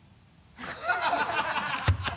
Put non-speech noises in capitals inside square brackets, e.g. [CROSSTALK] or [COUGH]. ハハハ [LAUGHS]